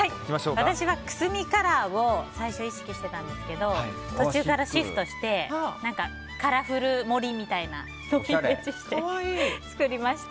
私はくすみカラーを最初、意識していたんですが途中からシフトしてカラフル盛りみたいな感じで作りました。